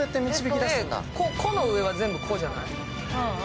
「こ」の上は全部「こ」じゃない？